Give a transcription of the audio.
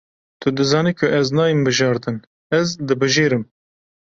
Tu dizanî ku ez nayêm bijartin, ez dibijêrim.